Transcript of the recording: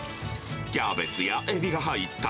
キャベツやえびが入った、